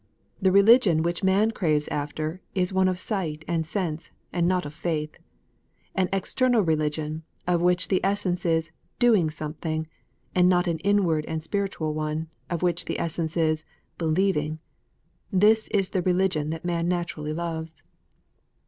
The religion which man craves after is one of sight and sense, and not of faith. An external religion, of which the essence is "doing something," and not an inward and spiritual one, of which the essence is " believing," this is the religion that man naturally loves.